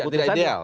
itu tidak boleh